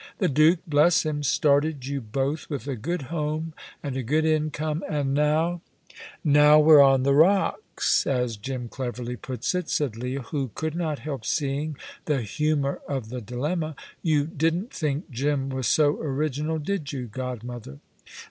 The Duke, bless him, started you both with a good home and a good income, and now " "Now we're on the rocks, as Jim cleverly puts it," said Leah, who could not help seeing the humour of the dilemma. "You didn't think Jim was so original, did you, godmother?"